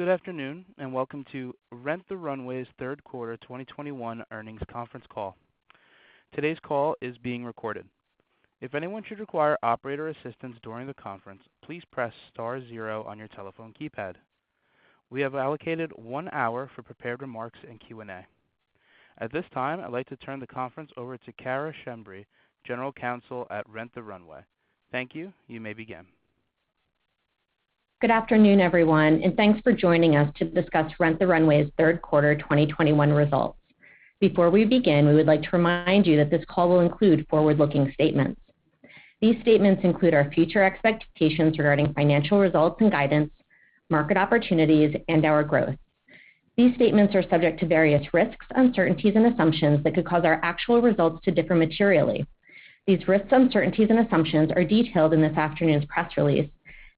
Good afternoon, and welcome to Rent the Runway's Third Quarter 2021 Earnings Conference Call. Today's call is being recorded. If anyone should require operator assistance during the conference, please press star zero on your telephone keypad. We have allocated one hour for prepared remarks and Q&A. At this time, I'd like to turn the conference over to Cara Schembri, General Counsel at Rent the Runway. Thank you. You may begin. Good afternoon, everyone, and thanks for joining us to discuss Rent the Runway's third quarter 2021 results. Before we begin, we would like to remind you that this call will include forward-looking statements. These statements include our future expectations regarding financial results and guidance, market opportunities, and our growth. These statements are subject to various risks, uncertainties, and assumptions that could cause our actual results to differ materially. These risks, uncertainties, and assumptions are detailed in this afternoon's press release,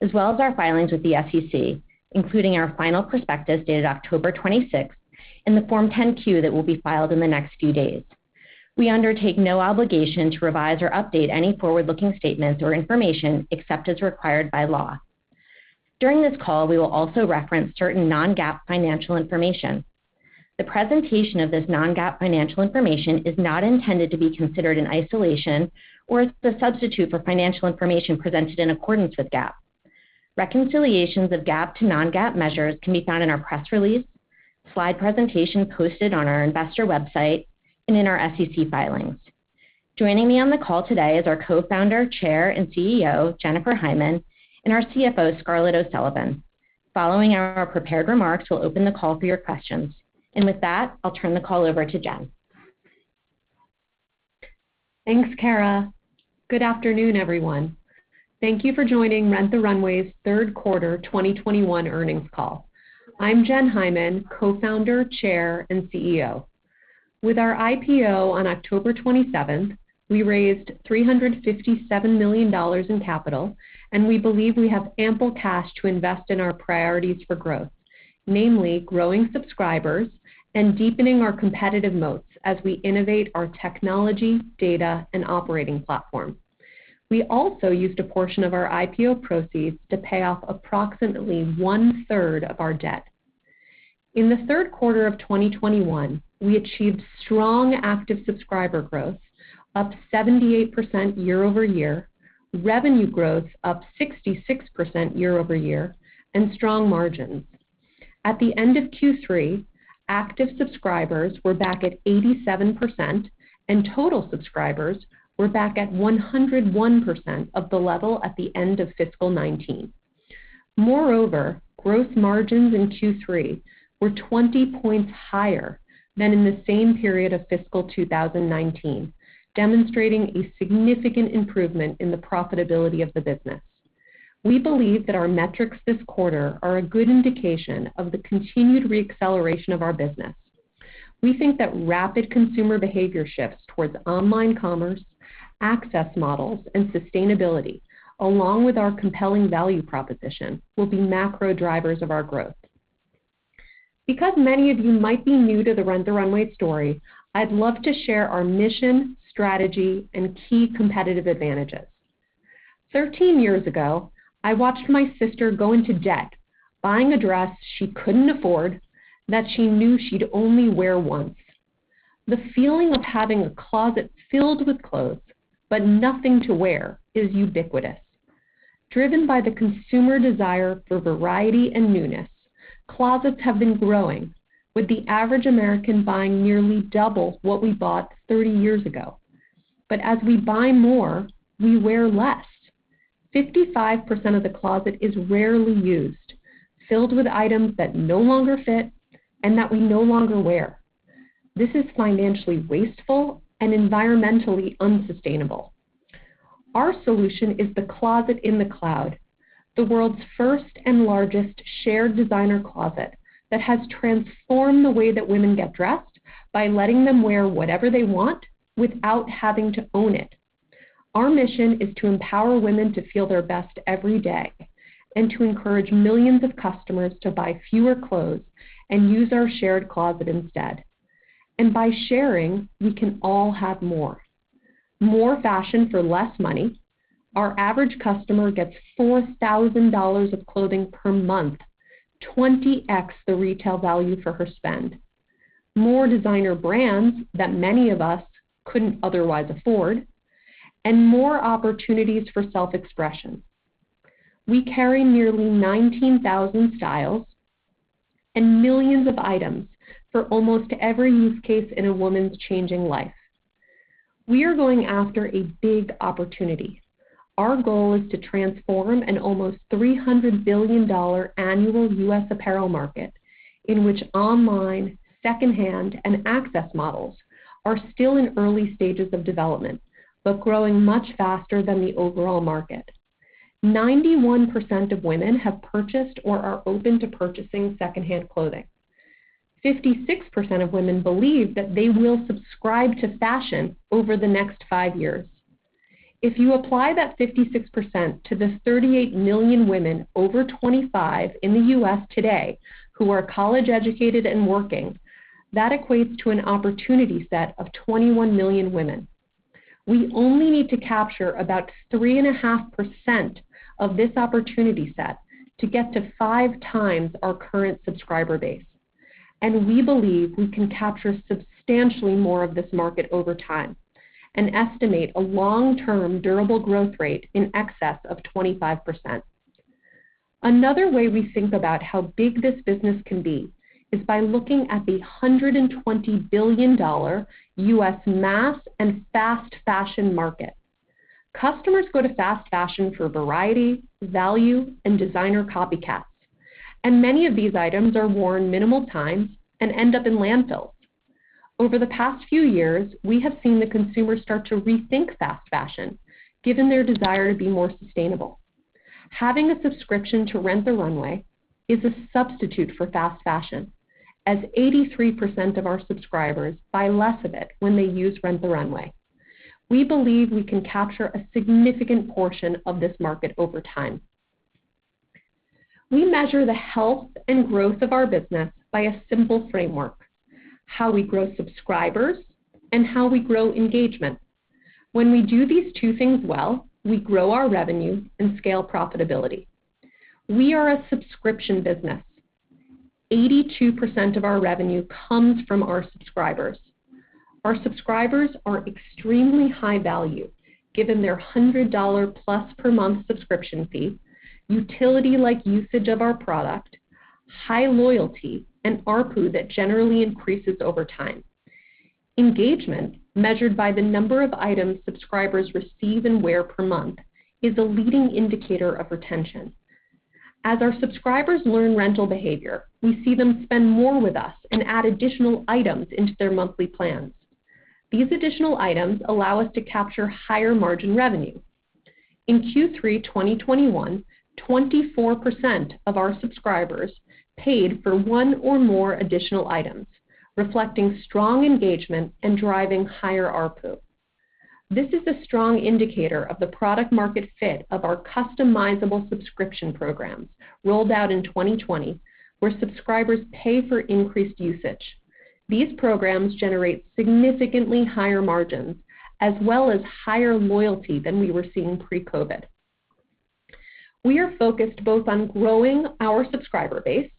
as well as our filings with the SEC, including our final prospectus dated October 26 and the Form 10-Q that will be filed in the next few days. We undertake no obligation to revise or update any forward-looking statements or information except as required by law. During this call, we will also reference certain non-GAAP financial information. The presentation of this non-GAAP financial information is not intended to be considered in isolation or as the substitute for financial information presented in accordance with GAAP. Reconciliations of GAAP to non-GAAP measures can be found in our press release, slide presentation posted on our investor website, and in our SEC filings. Joining me on the call today is our Co-founder, Chair, and CEO, Jennifer Hyman, and our CFO, Scarlett O'Sullivan. Following our prepared remarks, we'll open the call for your questions. With that, I'll turn the call over to Jen. Thanks, Cara. Good afternoon, everyone. Thank you for joining Rent the Runway's Q3 2021 earnings call. I'm Jen Hyman, Co-founder, Chair, and CEO. With our IPO on October 27, we raised $357 million in capital, and we believe we have ample cash to invest in our priorities for growth, namely growing subscribers and deepening our competitive moats as we innovate our technology, data, and operating platform. We also used a portion of our IPO proceeds to pay off approximately one-third of our debt. In the third quarter of 2021, we achieved strong active subscriber growth, up 78% year-over-year, revenue growth up 66% year-over-year, and strong margins. At the end of Q3, active subscribers were back at 87% and total subscribers were back at 101% of the level at the end of fiscal 2019. Moreover, growth margins in Q3 were 20 points higher than in the same period of fiscal 2019, demonstrating a significant improvement in the profitability of the business. We believe that our metrics this quarter are a good indication of the continued re-acceleration of our business. We think that rapid consumer behavior shifts towards online commerce, access models, and sustainability, along with our compelling value proposition, will be macro drivers of our growth. Because many of you might be new to the Rent the Runway story, I'd love to share our mission, strategy, and key competitive advantages. 13 years ago, I watched my sister go into debt buying a dress she couldn't afford that she knew she'd only wear once. The feeling of having a closet filled with clothes but nothing to wear is ubiquitous. Driven by the consumer desire for variety and newness, closets have been growing, with the average American buying nearly double what we bought 30 years ago. But as we buy more, we wear less. 55% of the closet is rarely used, filled with items that no longer fit and that we no longer wear. This is financially wasteful and environmentally unsustainable. Our solution is the Closet in the Cloud, the world's first and largest shared designer closet that has transformed the way that women get dressed by letting them wear whatever they want without having to own it. Our mission is to empower women to feel their best every day and to encourage millions of customers to buy fewer clothes and use our shared closet instead. By sharing, we can all have more. More fashion for less money. Our average customer gets $4,000 of clothing per month, 20x the retail value for her spend. More designer brands that many of us couldn't otherwise afford, and more opportunities for self-expression. We carry nearly 19,000 styles and millions of items for almost every use case in a woman's changing life. We are going after a big opportunity. Our goal is to transform an almost $300 billion annual U.S. apparel market in which online, secondhand, and access models are still in early stages of development, but growing much faster than the overall market. 91% of women have purchased or are open to purchasing secondhand clothing. 56% of women believe that they will subscribe to fashion over the next five years. If you apply that 56% to the 38 million women over 25 in the U.S. today who are college-educated and working, that equates to an opportunity set of 21 million women. We only need to capture about 3.5% of this opportunity set to get to 5x our current subscriber base, and we believe we can capture substantially more of this market over time and estimate a long-term durable growth rate in excess of 25%. Another way we think about how big this business can be is by looking at the $120 billion U.S. mass and fast fashion market. Customers go to fast fashion for variety, value, and designer copycats, and many of these items are worn minimal times and end up in landfills. Over the past few years, we have seen the consumer start to rethink fast fashion, given their desire to be more sustainable. Having a subscription to Rent the Runway is a substitute for fast fashion, as 83% of our subscribers buy less of it when they use Rent the Runway. We believe we can capture a significant portion of this market over time. We measure the health and growth of our business by a simple framework, how we grow subscribers and how we grow engagement. When we do these two things well, we grow our revenue and scale profitability. We are a subscription business. 82% of our revenue comes from our subscribers. Our subscribers are extremely high value, given their $100+ per month subscription fee, utility-like usage of our product, high loyalty, and ARPU that generally increases over time. Engagement, measured by the number of items subscribers receive and wear per month, is a leading indicator of retention. As our subscribers learn rental behavior, we see them spend more with us and add additional items into their monthly plans. These additional items allow us to capture higher margin revenue. In Q3 2021, 24% of our subscribers paid for one or more additional items, reflecting strong engagement and driving higher ARPU. This is a strong indicator of the product market fit of our customizable subscription programs rolled out in 2020, where subscribers pay for increased usage. These programs generate significantly higher margins as well as higher loyalty than we were seeing pre-COVID. We are focused both on growing our subscriber base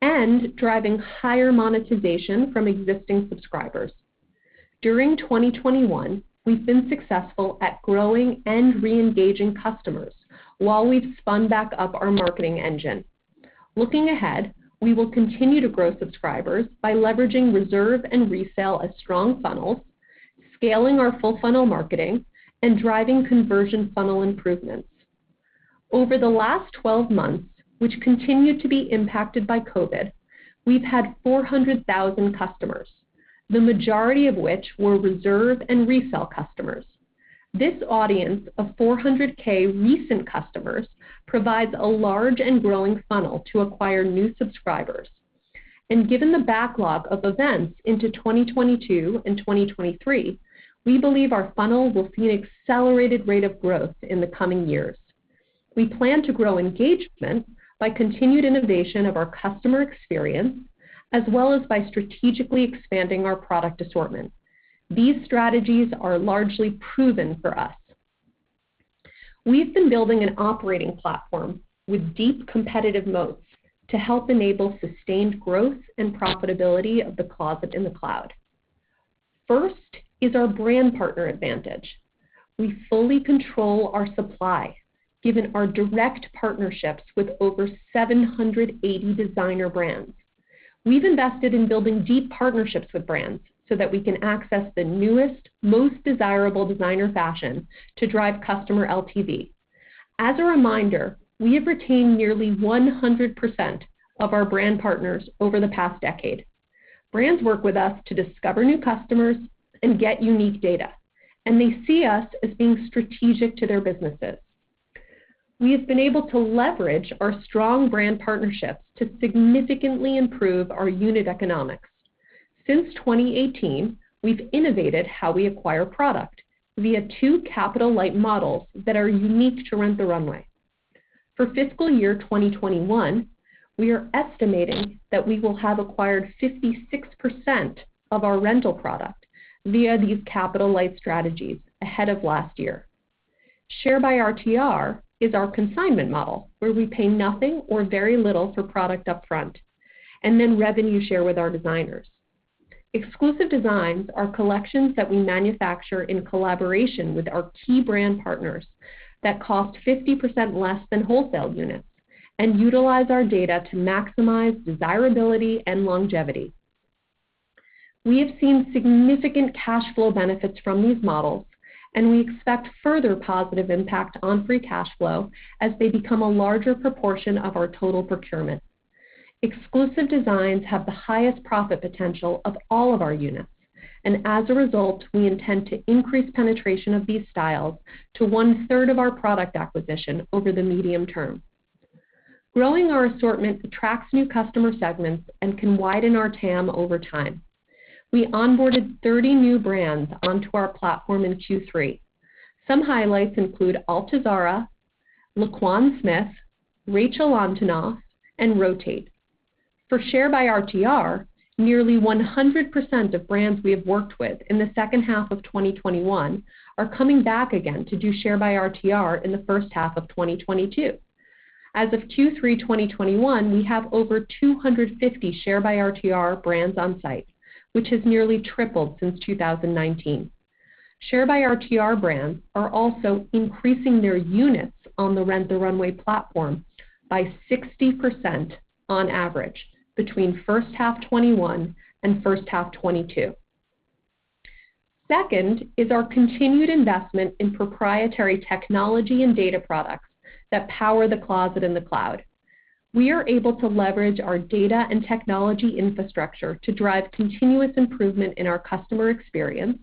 and driving higher monetization from existing subscribers. During 2021, we've been successful at growing and re-engaging customers while we've spun back up our marketing engine. Looking ahead, we will continue to grow subscribers by leveraging Reserve and Resale as strong funnels, scaling our full funnel marketing, and driving conversion funnel improvements. Over the last 12 months, which continued to be impacted by COVID, we've had 400,000 customers, the majority of which were Reserve and Resale customers. This audience of 400,000 recent customers provides a large and growing funnel to acquire new subscribers. Given the backlog of events into 2022 and 2023, we believe our funnel will see an accelerated rate of growth in the coming years. We plan to grow engagement by continued innovation of our customer experience as well as by strategically expanding our product assortment. These strategies are largely proven for us. We've been building an operating platform with deep competitive moats to help enable sustained growth and profitability of the Closet in the Cloud. First is our brand partner advantage. We fully control our supply, given our direct partnerships with over 780 designer brands. We've invested in building deep partnerships with brands so that we can access the newest, most desirable designer fashion to drive customer LTV. As a reminder, we have retained nearly 100% of our brand partners over the past decade. Brands work with us to discover new customers and get unique data, and they see us as being strategic to their businesses. We have been able to leverage our strong brand partnerships to significantly improve our unit economics. Since 2018, we've innovated how we acquire product via two capital-light models that are unique to Rent the Runway. For fiscal year 2021, we are estimating that we will have acquired 56% of our rental product via these capital-light strategies ahead of last year. Share by RTR is our consignment model, where we pay nothing or very little for product upfront, and then revenue share with our designers. Exclusive Designs are collections that we manufacture in collaboration with our key brand partners that cost 50% less than wholesale units and utilize our data to maximize desirability and longevity. We have seen significant cash flow benefits from these models, and we expect further positive impact on free cash flow as they become a larger proportion of our total procurement. Exclusive Designs have the highest profit potential of all of our units, and as a result, we intend to increase penetration of these styles to one-third of our product acquisition over the medium term. Growing our assortment attracts new customer segments and can widen our TAM over time. We onboarded 30 new brands onto our platform in Q3. Some highlights include Altuzarra, LaQuan Smith, Rachel Antonoff, and ROTATE. For Share by RTR, nearly 100% of brands we have worked with in the second half of 2021 are coming back again to do Share by RTR in the first half of 2022. As of Q3 2021, we have over 250 Share by RTR brands on site, which has nearly tripled since 2019. Share by RTR brands are also increasing their units on the Rent the Runway platform by 60% on average between first half 2021 and first half 2022. Second is our continued investment in proprietary technology and data products that power the Closet in the Cloud. We are able to leverage our data and technology infrastructure to drive continuous improvement in our customer experience,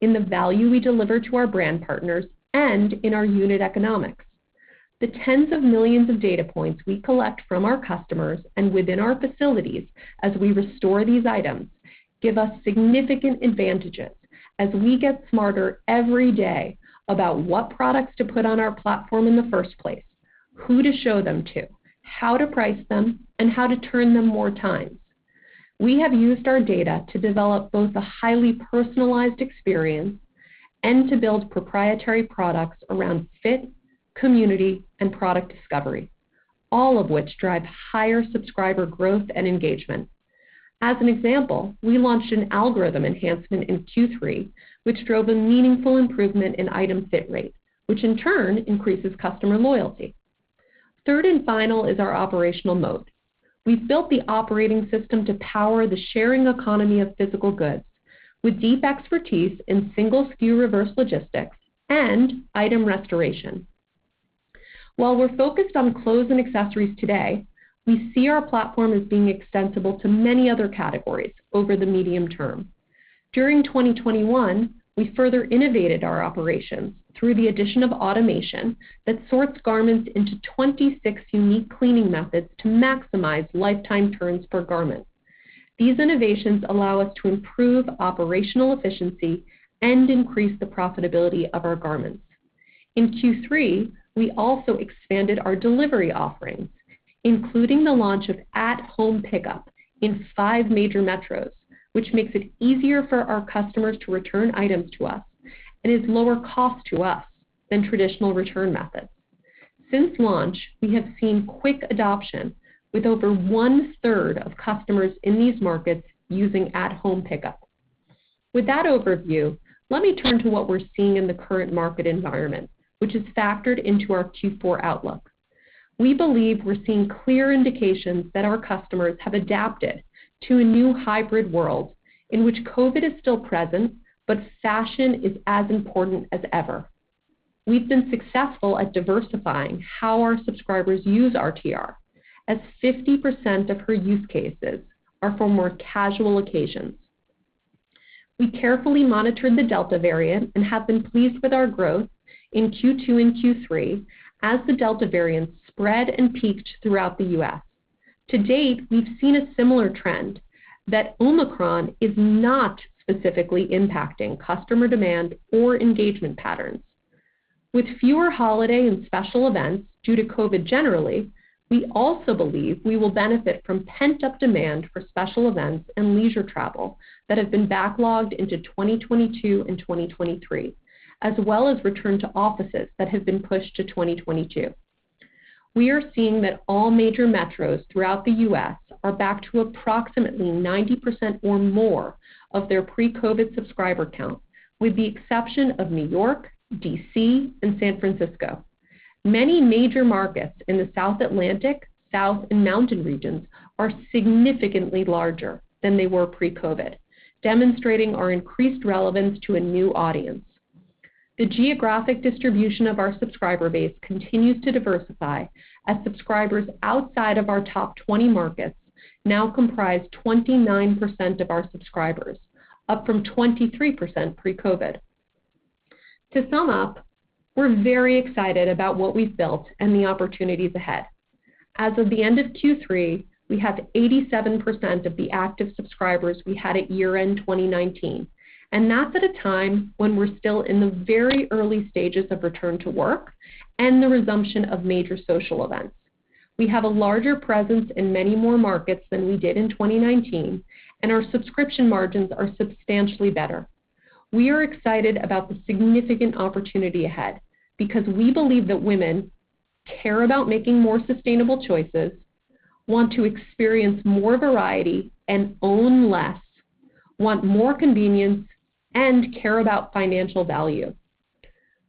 in the value we deliver to our brand partners, and in our unit economics. The tens of millions of data points we collect from our customers and within our facilities as we restore these items give us significant advantages as we get smarter every day about what products to put on our platform in the first place, who to show them to, how to price them, and how to turn them more times. We have used our data to develop both a highly personalized experience and to build proprietary products around fit, community, and product discovery, all of which drive higher subscriber growth and engagement. As an example, we launched an algorithm enhancement in Q3, which drove a meaningful improvement in item fit rate, which in turn increases customer loyalty. Third and final is our operational model. We've built the operating system to power the sharing economy of physical goods with deep expertise in single SKU reverse logistics and item restoration. While we're focused on clothes and accessories today, we see our platform as being extensible to many other categories over the medium term. During 2021, we further innovated our operations through the addition of automation that sorts garments into 26 unique cleaning methods to maximize lifetime turns per garment. These innovations allow us to improve operational efficiency and increase the profitability of our garments. In Q3, we also expanded our delivery offerings, including the launch of at-home pickup in five major metros, which makes it easier for our customers to return items to us, and is lower cost to us than traditional return methods. Since launch, we have seen quick adoption with over one-third of customers in these markets using at-home pickup. With that overview, let me turn to what we're seeing in the current market environment, which is factored into our Q4 outlook. We believe we're seeing clear indications that our customers have adapted to a new hybrid world in which COVID is still present, but fashion is as important as ever. We've been successful at diversifying how our subscribers use RTR, as 50% of her use cases are for more casual occasions. We carefully monitored the Delta variant and have been pleased with our growth in Q2 and Q3 as the Delta variant spread and peaked throughout the U.S.. To date, we've seen a similar trend that Omicron is not specifically impacting customer demand or engagement patterns. With fewer holiday and special events due to COVID generally, we also believe we will benefit from pent-up demand for special events and leisure travel that have been backlogged into 2022 and 2023, as well as return to offices that have been pushed to 2022. We are seeing that all major metros throughout the U.S. are back to approximately 90% or more of their pre-COVID subscriber count, with the exception of New York, D.C., and San Francisco. Many major markets in the South Atlantic, South, and Mountain regions are significantly larger than they were pre-COVID, demonstrating our increased relevance to a new audience. The geographic distribution of our subscriber base continues to diversify as subscribers outside of our top 20 markets now comprise 29% of our subscribers, up from 23% pre-COVID. To sum up, we're very excited about what we've built and the opportunities ahead. As of the end of Q3, we have 87% of the active subscribers we had at year-end 2019, and that's at a time when we're still in the very early stages of return to work and the resumption of major social events. We have a larger presence in many more markets than we did in 2019, and our subscription margins are substantially better. We are excited about the significant opportunity ahead because we believe that women care about making more sustainable choices, want to experience more variety and own less, want more convenience, and care about financial value.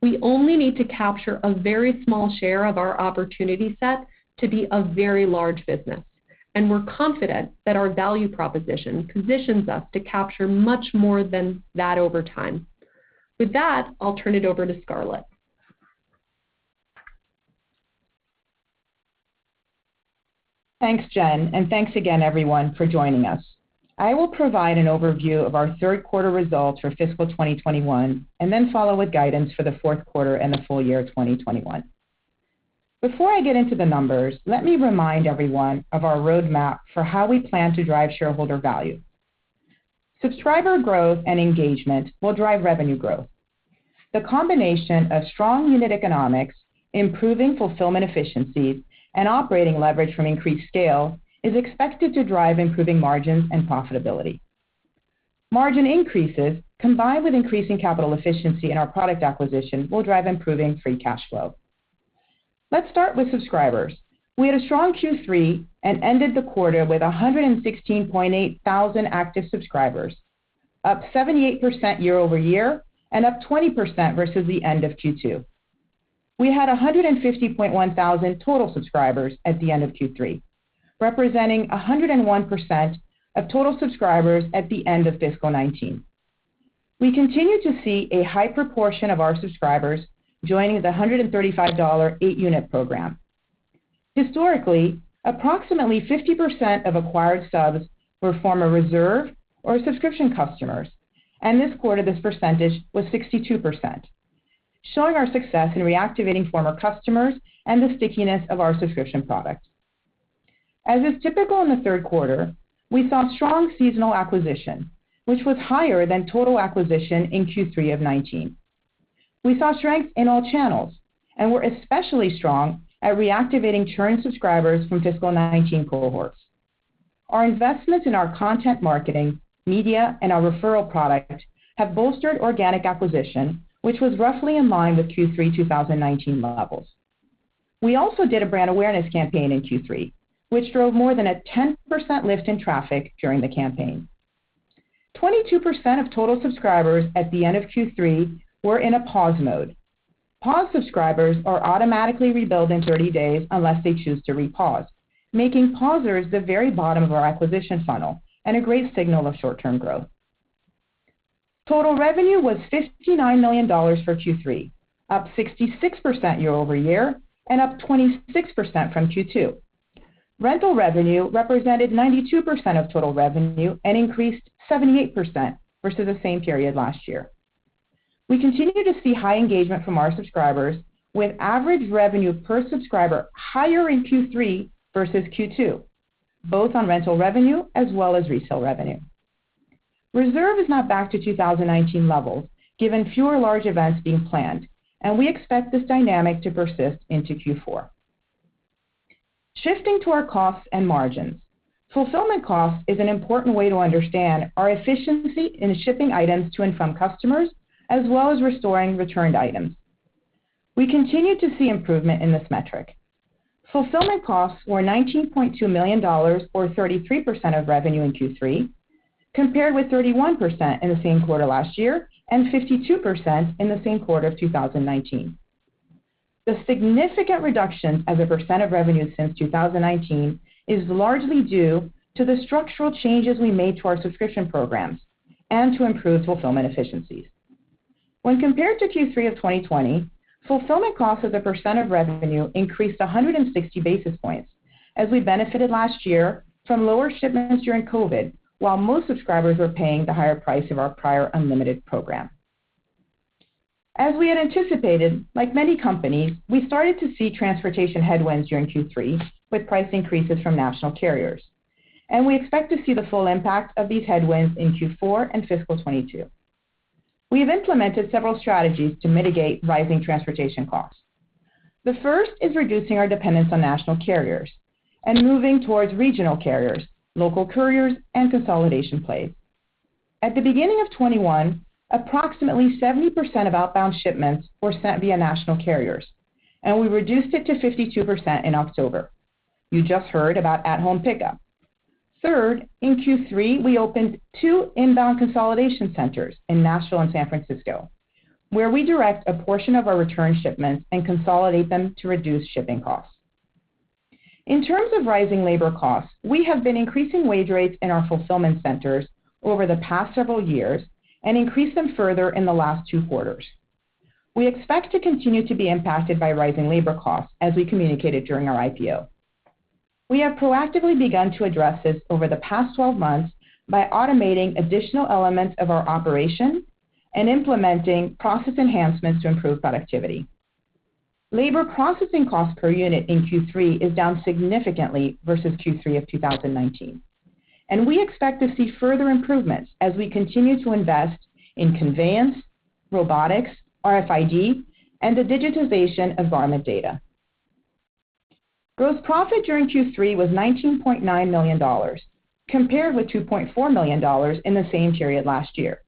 We only need to capture a very small share of our opportunity set to be a very large business, and we're confident that our value proposition positions us to capture much more than that over time. With that, I'll turn it over to Scarlett. Thanks, Jen, and thanks again, everyone, for joining us. I will provide an overview of our third quarter results for fiscal 2021 and then follow with guidance for the fourth quarter and the full year 2021. Before I get into the numbers, let me remind everyone of our roadmap for how we plan to drive shareholder value. Subscriber growth and engagement will drive revenue growth. The combination of strong unit economics, improving fulfillment efficiencies, and operating leverage from increased scale is expected to drive improving margins and profitability. Margin increases, combined with increasing capital efficiency in our product acquisition, will drive improving free cash flow. Let's start with subscribers. We had a strong Q3 and ended the quarter with 116.8 thousand active subscribers, up 78% year-over-year and up 20% versus the end of Q2. We had 150.1 thousand total subscribers at the end of Q3, representing 101% of total subscribers at the end of fiscal 2019. We continue to see a high proportion of our subscribers joining the $135 8-unit program. Historically, approximately 50% of acquired subs were former Reserve or subscription customers, and this quarter this percentage was 62%, showing our success in reactivating former customers and the stickiness of our subscription product. As is typical in the third quarter, we saw strong seasonal acquisition, which was higher than total acquisition in Q3 of 2019. We saw strength in all channels and were especially strong at reactivating churn subscribers from fiscal 2019 cohorts. Our investments in our content marketing, media, and our referral product have bolstered organic acquisition, which was roughly in line with Q3 2019 levels. We also did a brand awareness campaign in Q3, which drove more than a 10% lift in traffic during the campaign. 22% of total subscribers at the end of Q3 were in a pause mode. Pause subscribers are automatically rebilled in 30 days unless they choose to re-pause, making pausers the very bottom of our acquisition funnel and a great signal of short-term growth. Total revenue was $59 million for Q3, up 66% year-over-year and up 26% from Q2. Rental revenue represented 92% of total revenue and increased 78% versus the same period last year. We continue to see high engagement from our subscribers with average revenue per subscriber higher in Q3 versus Q2, both on rental revenue as well as resale revenue. Reserve is not back to 2019 levels given fewer large events being planned, and we expect this dynamic to persist into Q4. Shifting to our costs and margins. Fulfillment cost is an important way to understand our efficiency in shipping items to and from customers, as well as restoring returned items. We continue to see improvement in this metric. Fulfillment costs were $19.2 million or 33% of revenue in Q3, compared with 31% in the same quarter last year and 52% in the same quarter of 2019. The significant reduction as a percent of revenue since 2019 is largely due to the structural changes we made to our subscription programs and to improve fulfillment efficiencies. When compared to Q3 of 2020, fulfillment cost as a percent of revenue increased 160 basis points as we benefited last year from lower shipments during COVID, while most subscribers were paying the higher price of our prior unlimited program. As we had anticipated, like many companies, we started to see transportation headwinds during Q3 with price increases from national carriers, and we expect to see the full impact of these headwinds in Q4 and fiscal 2022. We have implemented several strategies to mitigate rising transportation costs. The first is reducing our dependence on national carriers and moving towards regional carriers, local couriers, and consolidation plays. At the beginning of 2021, approximately 70% of outbound shipments were sent via national carriers, and we reduced it to 52% in October. You just heard about at-home pickup. Third, in Q3, we opened two inbound consolidation centers in Nashville and San Francisco, where we direct a portion of our return shipments and consolidate them to reduce shipping costs. In terms of rising labor costs, we have been increasing wage rates in our fulfillment centers over the past several years and increased them further in the last two quarters. We expect to continue to be impacted by rising labor costs, as we communicated during our IPO. We have proactively begun to address this over the past 12 months by automating additional elements of our operation and implementing process enhancements to improve productivity. Labor processing cost per unit in Q3 is down significantly versus Q3 of 2019, and we expect to see further improvements as we continue to invest in conveyance, robotics, RFID, and the digitization of garment data. Gross profit during Q3 was $19.9 million, compared with $2.4 million in the same period last year,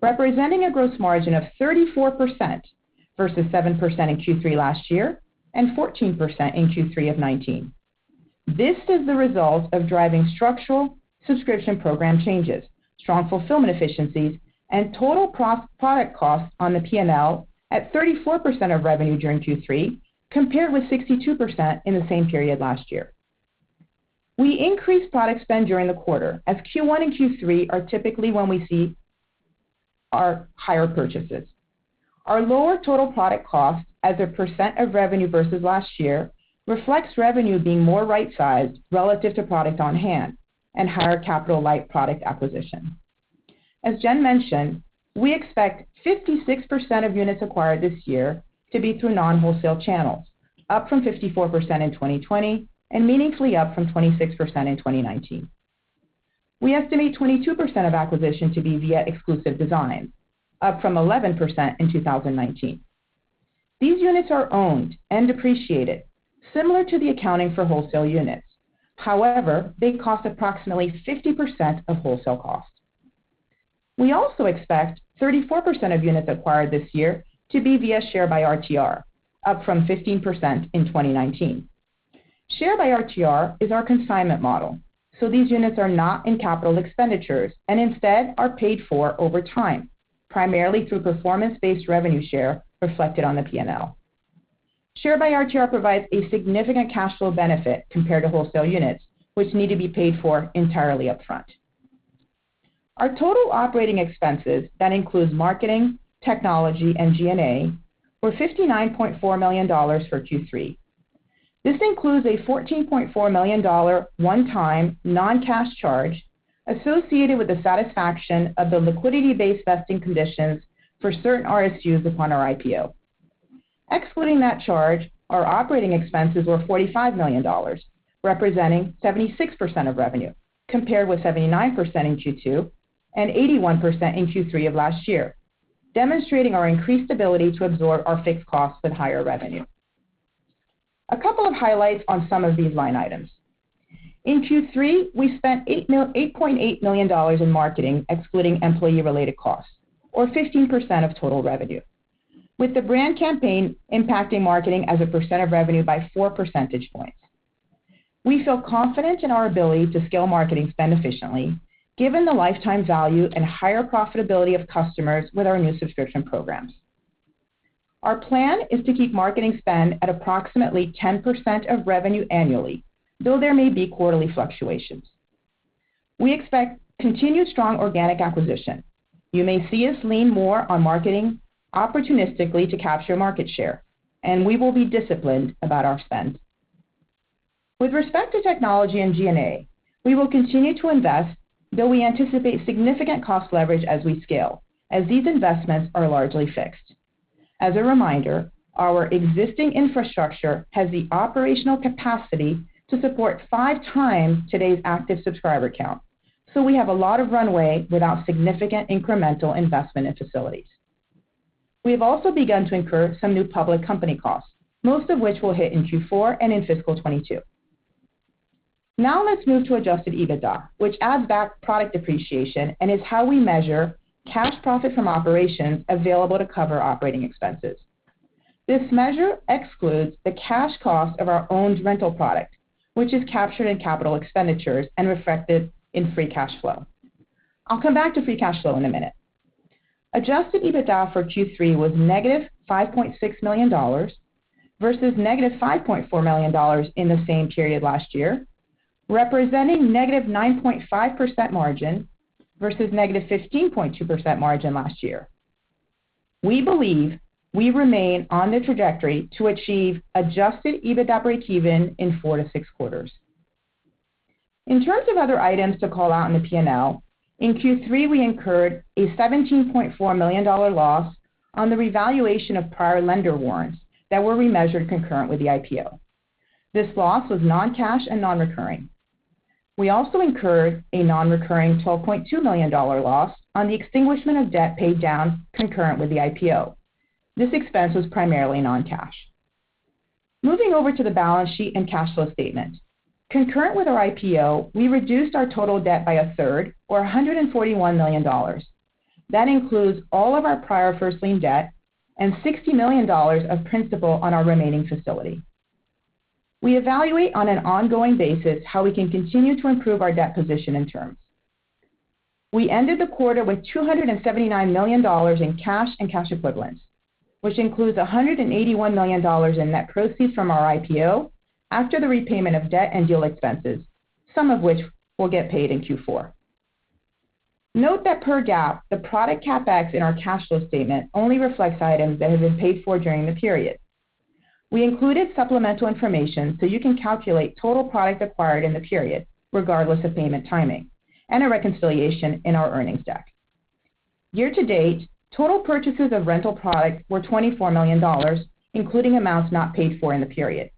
representing a gross margin of 34% versus 7% in Q3 last year and 14% in Q3 of 2019. This is the result of driving structural subscription program changes, strong fulfillment efficiencies, and total cost, product costs on the P&L at 34% of revenue during Q3, compared with 62% in the same period last year. We increased product spend during the quarter, as Q1 and Q3 are typically when we see our higher purchases. Our lower total product costs as a percent of revenue versus last year reflects revenue being more right-sized relative to product on hand and higher capital-light product acquisition. As Jen mentioned, we expect 56% of units acquired this year to be through non-wholesale channels. Up from 54% in 2020, and meaningfully up from 26% in 2019. We estimate 22% of acquisition to be via Exclusive Designs, up from 11% in 2019. These units are owned and depreciated, similar to the accounting for wholesale units. However, they cost approximately 50% of wholesale cost. We also expect 34% of units acquired this year to be via Share by RTR, up from 15% in 2019. Share by RTR is our consignment model, so these units are not in capital expenditures and instead are paid for over time, primarily through performance-based revenue share reflected on the P&L. Share by RTR provides a significant cash flow benefit compared to wholesale units, which need to be paid for entirely upfront. Our total operating expenses, that includes marketing, technology, and G&A, were $59.4 million for Q3. This includes a $14.4 million one-time non-cash charge associated with the satisfaction of the liquidity-based vesting conditions for certain RSUs upon our IPO. Excluding that charge, our operating expenses were $45 million, representing 76% of revenue, compared with 79% in Q2 and 81% in Q3 of last year, demonstrating our increased ability to absorb our fixed costs at higher revenue. A couple of highlights on some of these line items. In Q3, we spent $8.8 million in marketing, excluding employee-related costs of 15% of total revenue, with the brand campaign impacting marketing as a percent of revenue by four percentage points. We feel confident in our ability to scale marketing spend efficiently given the lifetime value and higher profitability of customers with our new subscription programs. Our plan is to keep marketing spend at approximately 10% of revenue annually, though there may be quarterly fluctuations. We expect continued strong organic acquisition. You may see us lean more on marketing opportunistically to capture market share, and we will be disciplined about our spend. With respect to technology and G&A, we will continue to invest, though we anticipate significant cost leverage as we scale, as these investments are largely fixed. As a reminder, our existing infrastructure has the operational capacity to support 5x today's active subscriber count. We have a lot of runway without significant incremental investment in facilities. We have also begun to incur some new public company costs, most of which will hit in Q4 and in fiscal 2022. Now let's move to adjusted EBITDA, which adds back product depreciation and is how we measure cash profit from operations available to cover operating expenses. This measure excludes the cash cost of our owned rental product, which is captured in capital expenditures and reflected in free cash flow. I'll come back to free cash flow in a minute. Adjusted EBITDA for Q3 was negative $5.6 million versus negative $5.4 million in the same period last year, representing negative 9.5% margin versus negative 15.2% margin last year. We believe we remain on the trajectory to achieve adjusted EBITDA breakeven in 4-6 quarters. In terms of other items to call out in the P&L, in Q3, we incurred a $17.4 million loss on the revaluation of prior lender warrants that were remeasured concurrent with the IPO. This loss was non-cash and non-recurring. We also incurred a non-recurring $12.2 million loss on the extinguishment of debt paid down concurrent with the IPO. This expense was primarily non-cash. Moving over to the balance sheet and cash flow statement. Concurrent with our IPO, we reduced our total debt by a third or $141 million. That includes all of our prior first lien debt and $60 million of principal on our remaining facility. We evaluate on an ongoing basis how we can continue to improve our debt position and terms. We ended the quarter with $279 million in cash and cash equivalents, which includes $181 million in net proceeds from our IPO after the repayment of debt and deal expenses, some of which will get paid in Q4. Note that per GAAP, the product CapEx in our cash flow statement only reflects items that have been paid for during the period. We included supplemental information so you can calculate total product acquired in the period regardless of payment timing and a reconciliation in our earnings deck. Year to date, total purchases of rental product were $24 million, including amounts not paid for in the period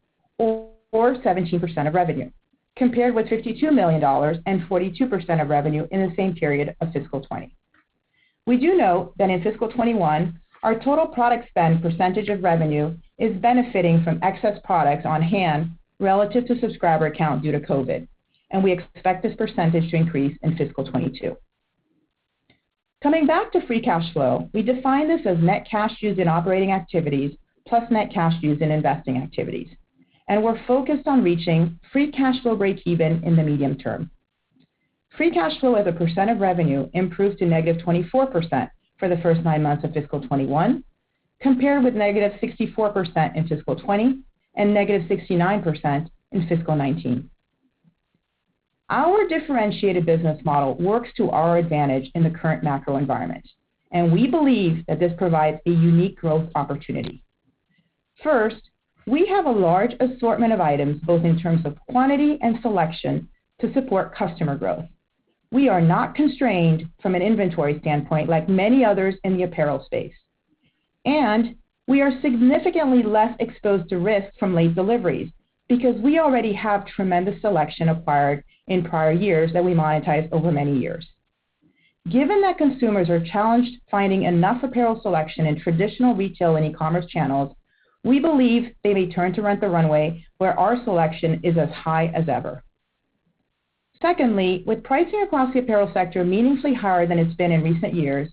or 17% of revenue, compared with $52 million and 42% of revenue in the same period of fiscal 2020. We do note that in fiscal 2021, our total product spend percentage of revenue is benefiting from excess products on hand relative to subscriber count due to COVID, and we expect this percentage to increase in fiscal 2022. Coming back to free cash flow, we define this as net cash used in operating activities plus net cash used in investing activities, and we're focused on reaching free cash flow breakeven in the medium term. Free cash flow as a percent of revenue improved to negative 24% for the first nine months of fiscal 2021, compared with negative 64% in fiscal 2020 and negative 69% in fiscal 2019. Our differentiated business model works to our advantage in the current macro environment, and we believe that this provides a unique growth opportunity. First, we have a large assortment of items, both in terms of quantity and selection, to support customer growth. We are not constrained from an inventory standpoint like many others in the apparel space. We are significantly less exposed to risks from late deliveries because we already have tremendous selection acquired in prior years that we monetize over many years. Given that consumers are challenged finding enough apparel selection in traditional retail and e-commerce channels, we believe they may turn to Rent the Runway, where our selection is as high as ever. Secondly, with pricing across the apparel sector meaningfully higher than it's been in recent years,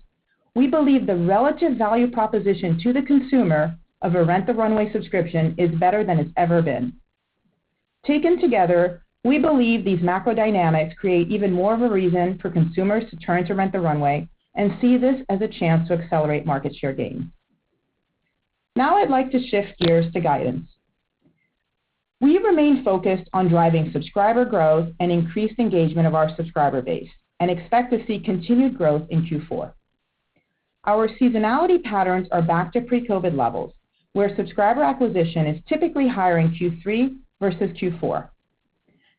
we believe the relative value proposition to the consumer of a Rent the Runway subscription is better than it's ever been. Taken together, we believe these macro dynamics create even more of a reason for consumers to turn to Rent the Runway and see this as a chance to accelerate market share gain. Now I'd like to shift gears to guidance. We remain focused on driving subscriber growth and increased engagement of our subscriber base and expect to see continued growth in Q4. Our seasonality patterns are back to pre-COVID levels, where subscriber acquisition is typically higher in Q3 versus Q4.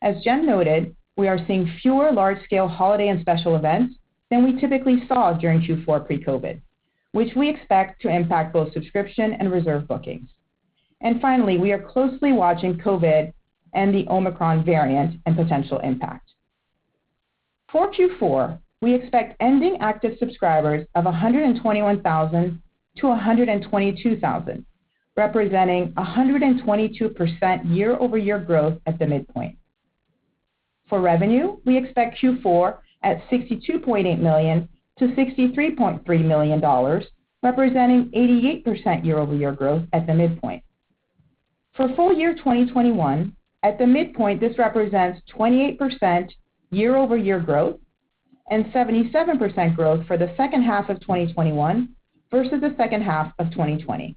As Jen noted, we are seeing fewer large-scale holiday and special events than we typically saw during Q4 pre-COVID, which we expect to impact both subscription and Reserve bookings. Finally, we are closely watching COVID and the Omicron variant and potential impact. For Q4, we expect ending active subscribers of 121,000-122,000, representing 122% year-over-year growth at the midpoint. For revenue, we expect Q4 at $62.8 million-$63.3 million, representing 88% year-over-year growth at the midpoint. For full year 2021, at the midpoint, this represents 28% year-over-year growth and 77% growth for the second half of 2021 versus the second half of 2020.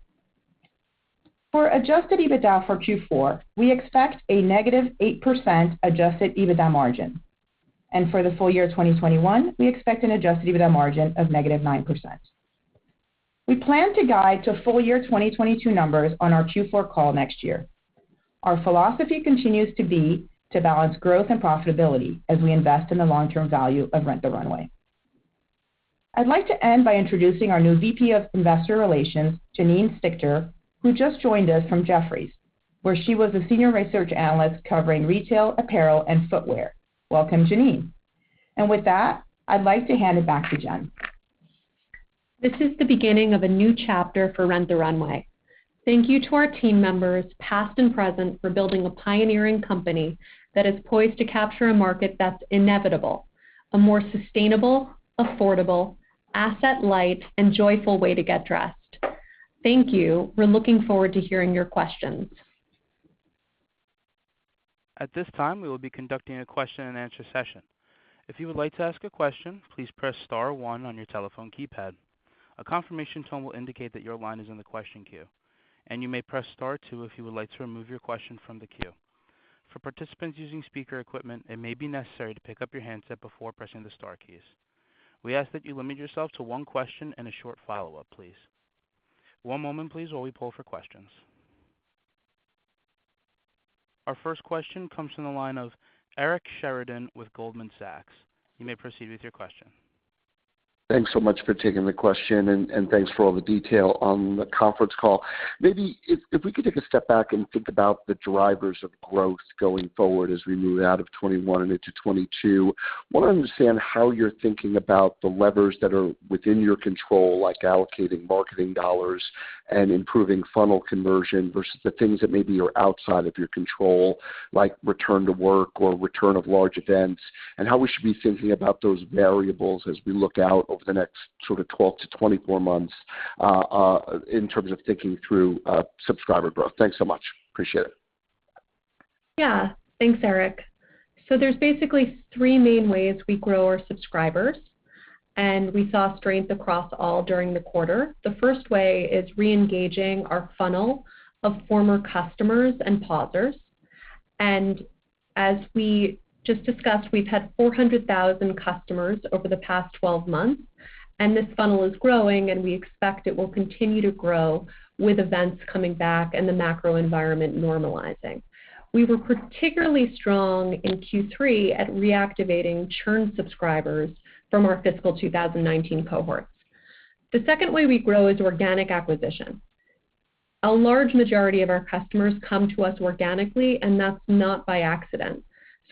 For adjusted EBITDA for Q4, we expect a -8% adjusted EBITDA margin. For the full year of 2021, we expect an adjusted EBITDA margin of -9%. We plan to guide to full year 2022 numbers on our Q4 call next year. Our philosophy continues to be to balance growth and profitability as we invest in the long-term value of Rent the Runway. I'd like to end by introducing our new VP of Investor Relations, Janine Stichter, who just joined us from Jefferies, where she was a senior research analyst covering retail, apparel, and footwear. Welcome, Janine. With that, I'd like to hand it back to Jen. This is the beginning of a new chapter for Rent the Runway. Thank you to our team members, past and present, for building a pioneering company that is poised to capture a market that's inevitable, a more sustainable, affordable, asset-light, and joyful way to get dressed. Thank you. We're looking forward to hearing your questions. At this time, we will be conducting a question-and-answer session. If you would like to ask a question, please press star one on your telephone keypad. A confirmation tone will indicate that your line is in the question queue, and you may press star two if you would like to remove your question from the queue. For participants using speaker equipment, it may be necessary to pick up your handset before pressing the star keys. We ask that you limit yourself to one question and a short follow-up, please. One moment, please, while we poll for questions. Our first question comes from the line of Eric Sheridan with Goldman Sachs. You may proceed with your question. Thanks so much for taking the question, and thanks for all the detail on the conference call. Maybe if we could take a step back and think about the drivers of growth going forward as we move out of 2021 and into 2022. Wanna understand how you're thinking about the levers that are within your control, like allocating marketing dollars and improving funnel conversion, versus the things that maybe are outside of your control, like return to work or return of large events, and how we should be thinking about those variables as we look out over the next sort of 12-24 months, in terms of thinking through, subscriber growth. Thanks so much. I appreciate it. Yeah. Thanks, Eric. There's basically three main ways we grow our subscribers, and we saw strength across all during the quarter. The first way is re-engaging our funnel of former customers and pausers. As we just discussed, we've had 400,000 customers over the past 12 months, and this funnel is growing, and we expect it will continue to grow with events coming back and the macro environment normalizing. We were particularly strong in Q3 at reactivating churned subscribers from our fiscal 2019 cohorts. The second way we grow is organic acquisition. A large majority of our customers come to us organically, and that's not by accident.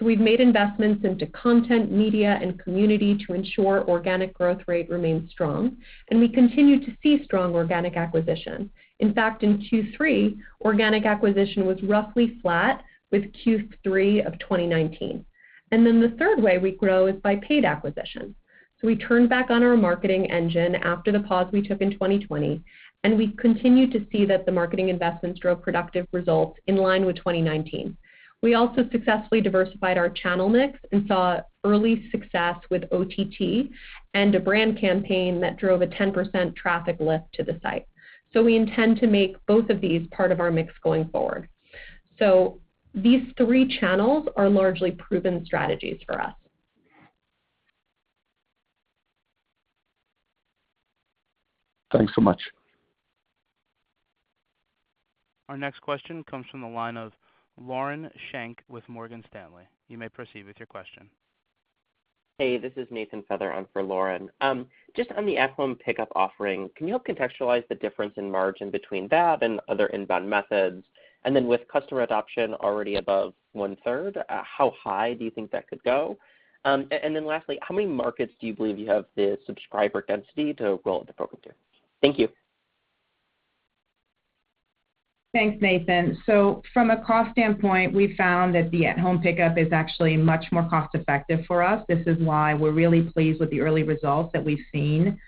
We've made investments into content, media, and community to ensure organic growth rate remains strong, and we continue to see strong organic acquisition. In fact, in Q3, organic acquisition was roughly flat with Q3 of 2019. The third way we grow is by paid acquisition. We turned back on our marketing engine after the pause we took in 2020, and we continue to see that the marketing investments drove productive results in line with 2019. We also successfully diversified our channel mix and saw early success with OTT and a brand campaign that drove a 10% traffic lift to the site. We intend to make both of these part of our mix going forward. These three channels are largely proven strategies for us. Thanks so much. Our next question comes from the line of Lauren Schenk with Morgan Stanley. You may proceed with your question. Hey, this is Nathan Feather on for Lauren. Just on the at-home pickup offering, can you help contextualize the difference in margin between that and other inbound methods? With customer adoption already above one-third, how high do you think that could go? Lastly, how many markets do you believe you have the subscriber density to roll the program to? Thank you. Thanks, Nathan. From a cost standpoint, we found that the at-home pickup is actually much more cost-effective for us. This is why we're really pleased with the early results that we've seen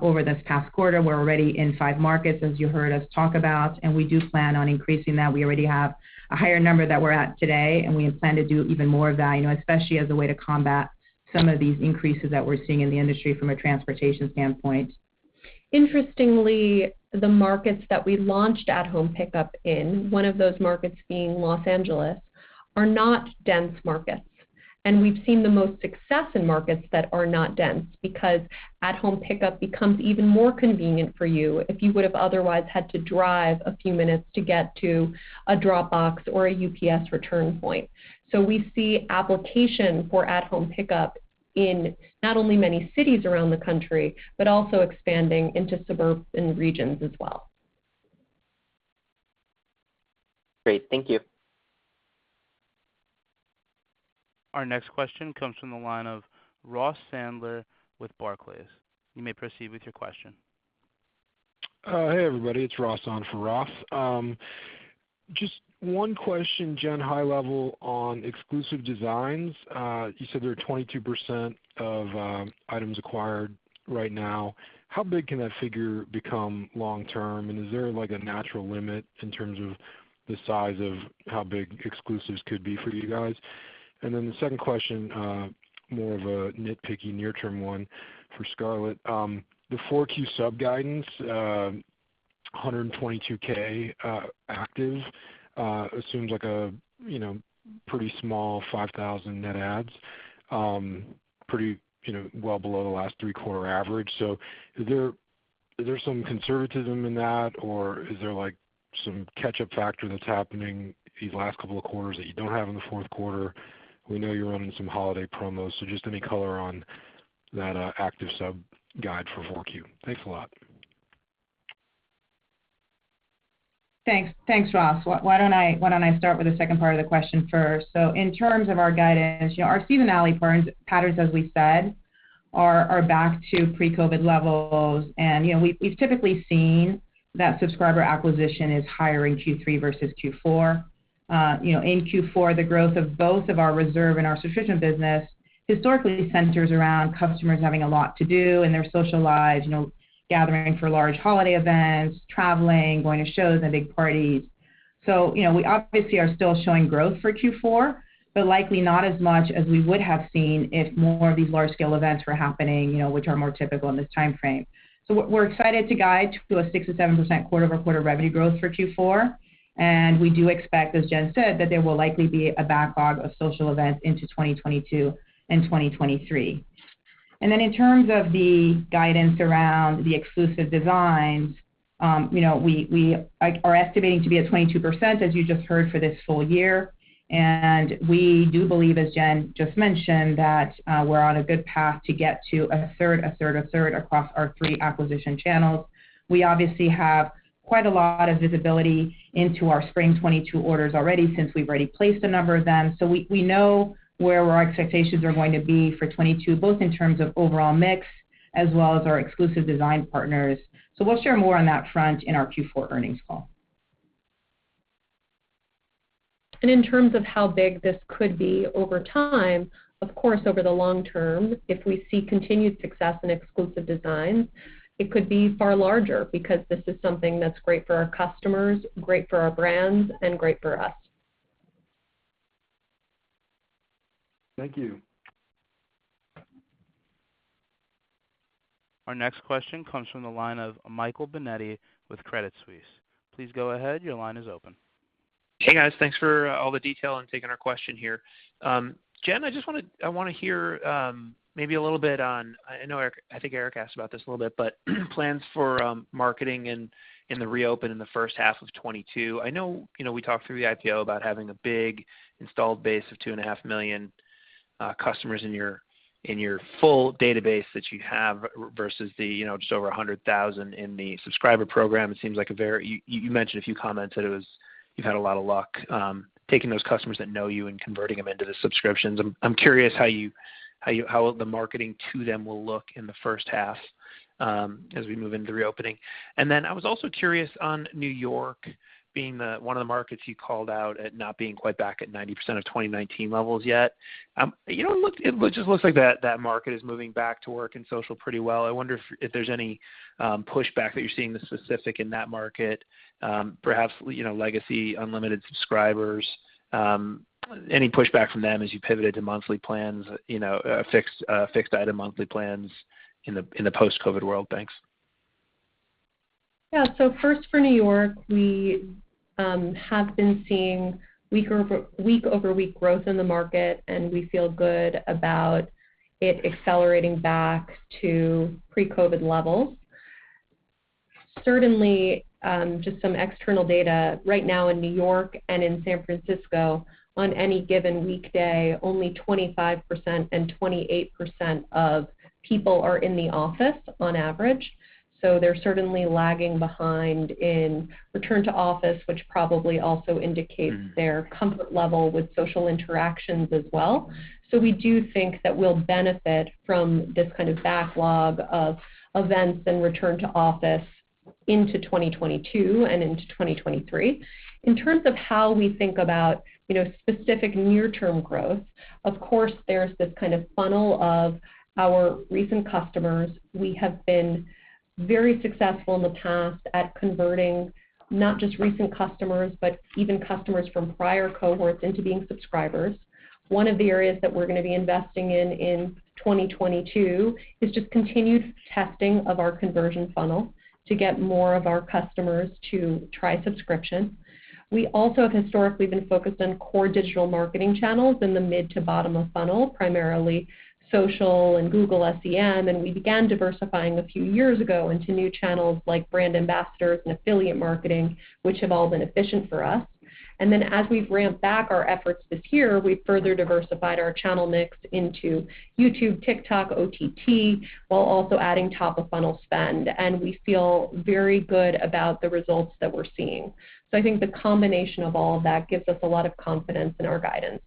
over this past quarter. We're already in five markets, as you heard us talk about, and we do plan on increasing that. We already have a higher number that we're at today, and we plan to do even more of that, you know, especially as a way to combat some of these increases that we're seeing in the industry from a transportation standpoint. Interestingly, the markets that we launched at-home pickup in, one of those markets being Los Angeles, are not dense markets. We've seen the most success in markets that are not dense because at-home pickup becomes even more convenient for you if you would've otherwise had to drive a few minutes to get to a drop box or a UPS return point. We see application for at-home pickup in not only many cities around the country but also expanding into suburbs and regions as well. Great. Thank you. Our next question comes from the line of Ross Sandler with Barclays. You may proceed with your question. Hey, everybody. It's Ross on for Roth. Just one question, Jen, high level on Exclusive Designs. You said they're 22% of items acquired right now. How big can that figure become long term, and is there, like, a natural limit in terms of the size of how big exclusives could be for you guys? And then the second question, more of a nitpicky near term one for Scarlett. The Q4 sub-guidance, 122K active, assumes like a, you know, pretty small 5,000 net adds, pretty, you know, well below the last three-quarter average. Is there some conservatism in that, or is there, like, some catch-up factor that's happening these last couple of quarters that you don't have in the fourth quarter? We know you're running some holiday promos, so just any color on that, active sub-guide for 4Q. Thanks a lot. Thanks. Thanks, Ross. Why don't I start with the second part of the question first. In terms of our guidance, you know, our seasonality burn patterns, as we said, are back to pre-COVID levels. You know, we've typically seen that subscriber acquisition is higher in Q3 versus Q4. You know, in Q4, the growth of both of our Reserve and our subscription business historically centers around customers having a lot to do in their social lives, you know, gathering for large holiday events, traveling, going to shows and big parties. We obviously are still showing growth for Q4, but likely not as much as we would have seen if more of these large scale events were happening, you know, which are more typical in this timeframe. We're excited to guide to a 6%-7% quarter-over-quarter revenue growth for Q4. We do expect, as Jen said, that there will likely be a backlog of social events into 2022 and 2023. Then in terms of the guidance around the Exclusive Designs, you know, we like are estimating to be at 22%, as you just heard, for this full year. We do believe, as Jen just mentioned, that we're on a good path to get to a third across our three acquisition channels. We obviously have quite a lot of visibility into our spring 2022 orders already since we've already placed a number of them. We know where our expectations are going to be for 2022, both in terms of overall mix as well as our Exclusive Design partners. We'll share more on that front in our Q4 earnings call. In terms of how big this could be over time, of course, over the long term, if we see continued success in Exclusive Designs, it could be far larger because this is something that's great for our customers, great for our brands, and great for us. Thank you. Our next question comes from the line of Michael Binetti with Credit Suisse. Please go ahead. Your line is open. Hey, guys. Thanks for all the detail and taking our question here. Jen, I wanna hear maybe a little bit on plans for marketing and the reopen in the first half of 2022. I know Eric. I think Eric asked about this a little bit. I know, you know, we talked through the IPO about having a big installed base of 2.5 million customers in your full database that you have versus the, you know, just over 100,000 in the subscriber program. You mentioned a few comments that you've had a lot of luck taking those customers that know you and converting them into the subscriptions. I'm curious how the marketing to them will look in the first half, as we move into the reopening. Then I was also curious on New York being one of the markets you called out at not being quite back at 90% of 2019 levels yet. It just looks like that market is moving back to work and social pretty well. I wonder if there's any pushback that you're seeing that's specific in that market, perhaps, you know, legacy unlimited subscribers, any pushback from them as you pivoted to monthly plans, you know, fixed item monthly plans in the post-COVID world. Thanks. Yeah. First for New York, we have been seeing week-over-week growth in the market, and we feel good about it accelerating back to pre-COVID levels. Certainly, just some external data right now in New York and in San Francisco, on any given weekday, only 25% and 28% of people are in the office on average. They're certainly lagging behind in return to office, which probably also indicates their comfort level with social interactions as well. We do think that we'll benefit from this kind of backlog of events and return to office into 2022 and into 2023. In terms of how we think about, you know, specific near-term growth, of course, there's this kind of funnel of our recent customers. We have been very successful in the past at converting not just recent customers, but even customers from prior cohorts into being subscribers. One of the areas that we're gonna be investing in in 2022 is just continued testing of our conversion funnel to get more of our customers to try subscription. We also have historically been focused on core digital marketing channels in the mid to bottom of funnel, primarily social and Google SEM, and we began diversifying a few years ago into new channels like brand ambassadors and affiliate marketing, which have all been efficient for us. As we've ramped back our efforts this year, we've further diversified our channel mix into YouTube, TikTok, OTT, while also adding top of funnel spend. We feel very good about the results that we're seeing. I think the combination of all of that gives us a lot of confidence in our guidance.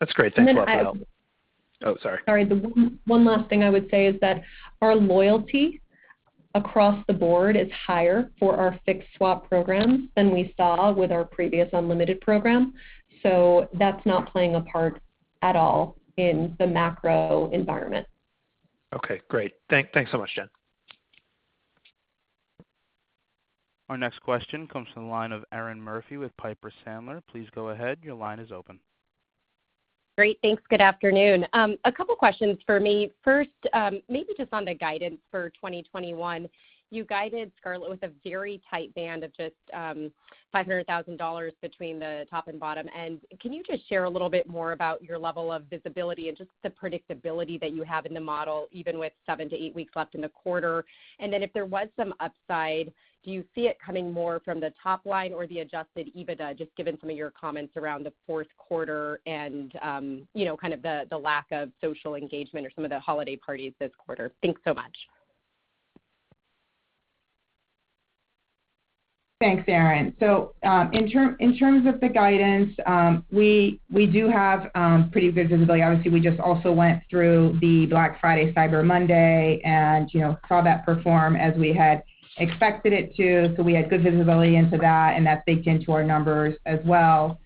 That's great. Thanks a lot for the help. And then I- Oh, sorry. Sorry. The one last thing I would say is that our loyalty across the board is higher for our fixed swap programs than we saw with our previous unlimited program. That's not playing a part at all in the macro environment. Okay, great. Thanks so much, Jen. Our next question comes from the line of Erinn Murphy with Piper Sandler. Please go ahead. Your line is open. Great. Thanks. Good afternoon. A couple questions for me. First, maybe just on the guidance for 2021. You guided Scarlett with a very tight band of just $500,000 between the top and bottom end. Can you just share a little bit more about your level of visibility and just the predictability that you have in the model, even with 7-8 weeks left in the quarter? Then if there was some upside, do you see it coming more from the top line or the adjusted EBITDA, just given some of your comments around the fourth quarter and, you know, kind of the lack of social engagement or some of the holiday parties this quarter? Thanks so much. Thanks, Erinn. In terms of the guidance, we do have pretty good visibility. Obviously, we just also went through the Black Friday, Cyber Monday and, you know, saw that perform as we had expected it to. We had good visibility into that, and that baked into our numbers as well.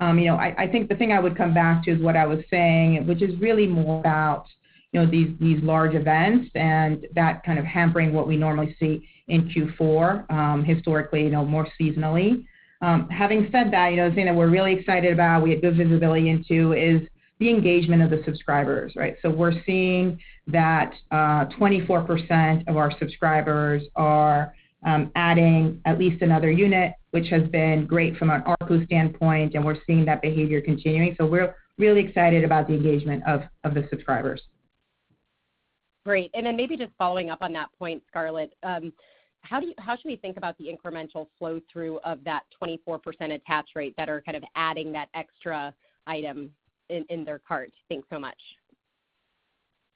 You know, I think the thing I would come back to is what I was saying, which is really more about, you know, these large events and that kind of hampering what we normally see in Q4, historically, you know, more seasonally. Having said that, you know, as in we're really excited about, we have good visibility into is the engagement of the subscribers, right? We're seeing that 24% of our subscribers are adding at least another unit, which has been great from an ARPU standpoint, and we're seeing that behavior continuing. We're really excited about the engagement of the subscribers. Great. Maybe just following up on that point, Scarlett. How should we think about the incremental flow through of that 24% attach rate that are kind of adding that extra item in their cart? Thanks so much.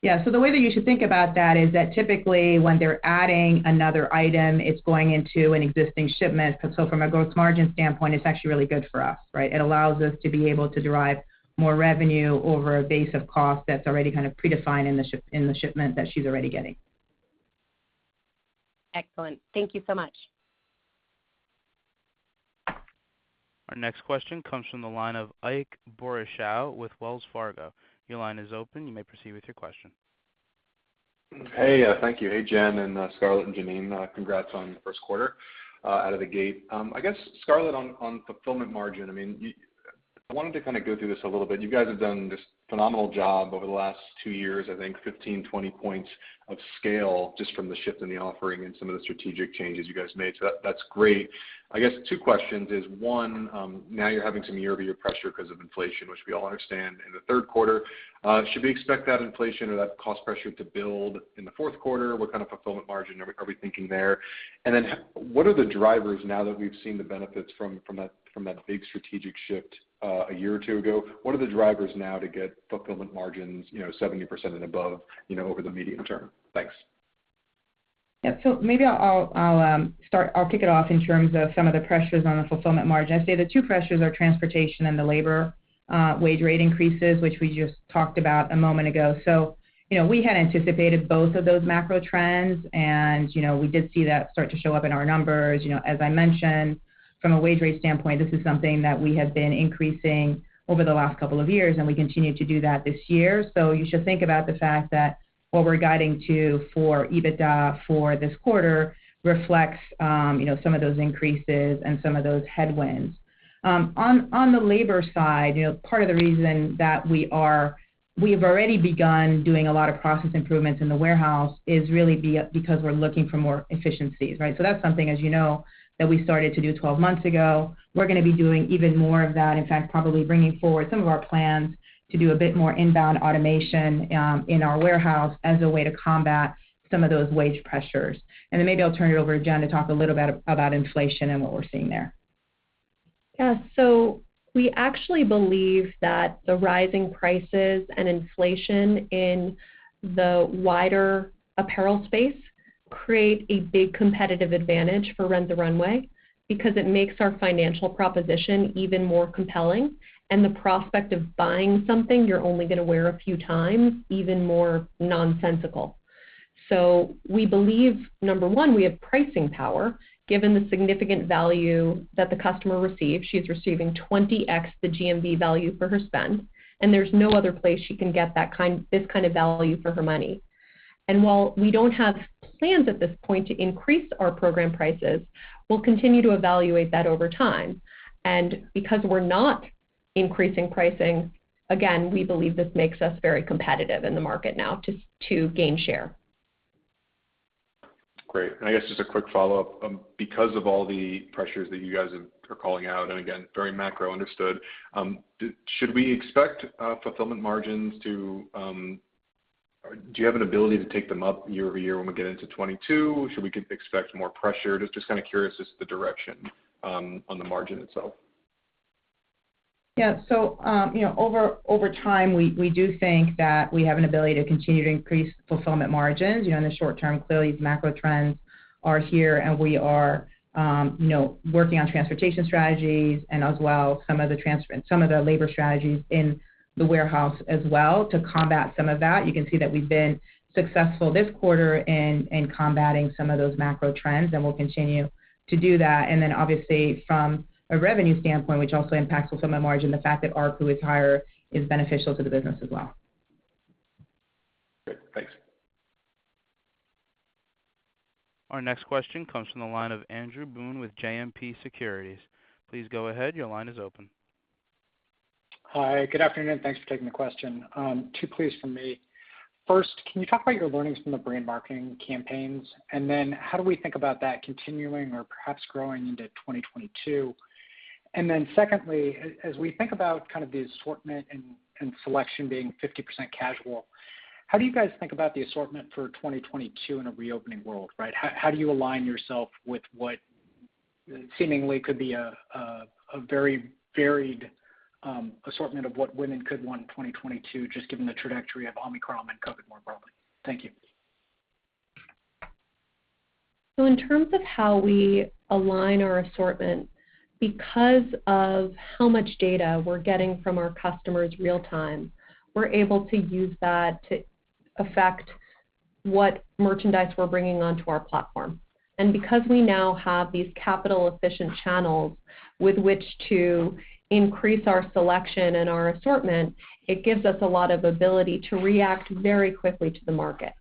Yeah. The way that you should think about that is that typically when they're adding another item, it's going into an existing shipment. From a gross margin standpoint, it's actually really good for us, right? It allows us to be able to derive more revenue over a base of cost that's already kind of predefined in the shipment that she's already getting. Excellent. Thank you so much. Our next question comes from the line of Ike Boruchow with Wells Fargo. Your line is open. You may proceed with your question. Hey, thank you. Hey, Jen and Scarlett and Janine. Congrats on the first quarter out of the gate. I guess, Scarlett, on fulfillment margin, I mean, I wanted to kind of go through this a little bit. You guys have done this phenomenal job over the last two years, I think 15-20 points of scale just from the shift in the offering and some of the strategic changes you guys made. That's great. I guess two questions is, one, now you're having some year-over-year pressure 'cause of inflation, which we all understand in the third quarter. Should we expect that inflation or that cost pressure to build in the fourth quarter? What kind of fulfillment margin are we thinking there? What are the drivers now that we've seen the benefits from that big strategic shift a year or two ago? What are the drivers now to get fulfillment margins, you know, 70% and above, you know, over the medium term? Thanks. Maybe I'll start. I'll kick it off in terms of some of the pressures on the fulfillment margin. I'd say the two pressures are transportation and the labor wage rate increases, which we just talked about a moment ago. You know, we had anticipated both of those macro trends, and, you know, we did see that start to show up in our numbers. You know, as I mentioned, from a wage rate standpoint, this is something that we have been increasing over the last couple of years, and we continue to do that this year. You should think about the fact that what we're guiding to for EBITDA for this quarter reflects, you know, some of those increases and some of those headwinds. On the labor side, you know, part of the reason that we are. We have already begun doing a lot of process improvements in the warehouse because we're looking for more efficiencies, right? That's something, as you know, that we started to do 12 months ago. We're gonna be doing even more of that, in fact, probably bringing forward some of our plans to do a bit more inbound automation in our warehouse as a way to combat some of those wage pressures. Maybe I'll turn it over to Jen to talk a little about inflation and what we're seeing there. Yeah. We actually believe that the rising prices and inflation in the wider apparel space create a big competitive advantage for Rent the Runway, because it makes our financial proposition even more compelling and the prospect of buying something you're only gonna wear a few times even more nonsensical. We believe, number one, we have pricing power, given the significant value that the customer receives. She's receiving 20x the GMV value for her spend, and there's no other place she can get this kind of value for her money. While we don't have plans at this point to increase our program prices, we'll continue to evaluate that over time. Because we're not increasing pricing, again, we believe this makes us very competitive in the market now to gain share. Great. I guess just a quick follow-up. Because of all the pressures that you guys are calling out, and again, very macro, understood, should we expect fulfillment margins to. Do you have an ability to take them up year-over-year when we get into 2022? Should we expect more pressure? Just kinda curious as to the direction on the margin itself. Yeah. Over time, we do think that we have an ability to continue to increase fulfillment margins. You know, in the short term, clearly, these macro trends are here, and we are, you know, working on transportation strategies and as well some of the labor strategies in the warehouse as well to combat some of that. You can see that we've been successful this quarter in combating some of those macro trends, and we'll continue to do that. Then obviously from a revenue standpoint, which also impacts fulfillment margin, the fact that ARPU is higher is beneficial to the business as well. Great. Thanks. Our next question comes from the line of Andrew Boone with JMP Securities. Please go ahead. Your line is open. Hi. Good afternoon. Thanks for taking the question. Two, please, from me. First, can you talk about your learnings from the brand marketing campaigns? How do we think about that continuing or perhaps growing into 2022? Secondly, as we think about kind of the assortment and selection being 50% casual, how do you guys think about the assortment for 2022 in a reopening world, right? How do you align yourself with what seemingly could be a very varied assortment of what women could want in 2022, just given the trajectory of Omicron and COVID more broadly? Thank you. In terms of how we align our assortment, because of how much data we're getting from our customers real time, we're able to use that to affect what merchandise we're bringing onto our platform. Because we now have these capital efficient channels with which to increase our selection and our assortment, it gives us a lot of ability to react very quickly to the market.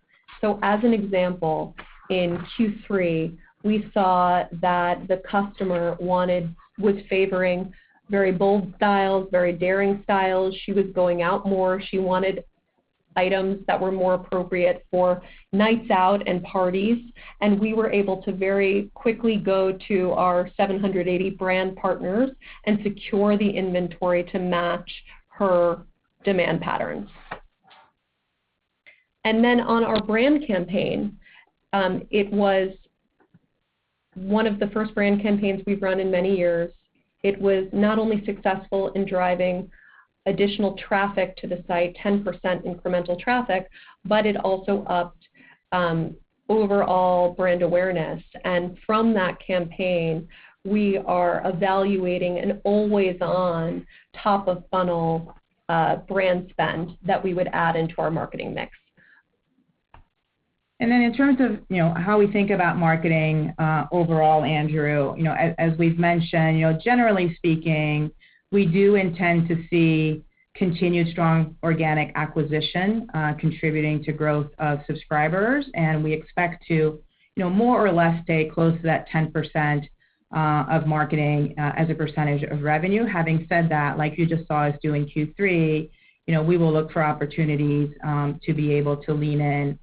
As an example, in Q3, we saw that the customer was favoring very bold styles, very daring styles. She was going out more. She wanted items that were more appropriate for nights out and parties, and we were able to very quickly go to our 780 brand partners and secure the inventory to match her demand patterns. Then on our brand campaign, it was one of the first brand campaigns we've run in many years. It was not only successful in driving additional traffic to the site, 10% incremental traffic, but it also upped overall brand awareness. From that campaign, we are evaluating an always-on top of funnel brand spend that we would add into our marketing mix. In terms of, you know, how we think about marketing overall, Andrew, you know, as we've mentioned, you know, generally speaking, we do intend to see continued strong organic acquisition contributing to growth of subscribers, and we expect to, you know, more or less stay close to that 10% of marketing as a percentage of revenue. Having said that, like you just saw us do in Q3, you know, we will look for opportunities to be able to lean in